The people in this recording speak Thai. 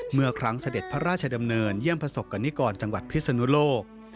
เมื่อครั้งเสด็จพระราชดำเนินเยี่ยมประสบกรณิกรจังหวัดพิศนุโลก